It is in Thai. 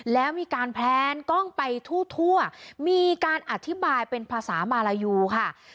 แล้วมีการแพลนกล้องไปทั่วมีการอธิบายเป็นภาษามาลายูค่ะ